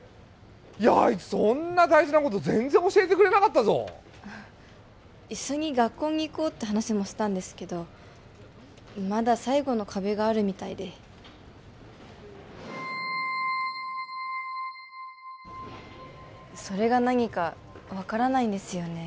あいつそんな大事なこと全然教えてくれなかったぞ一緒に学校に行こうって話もしたんですけどまだ最後の壁があるみたいでそれが何か分からないんですよね